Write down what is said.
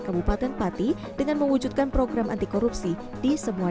kabupaten pati dengan mewujudkan program anti korupsi di semua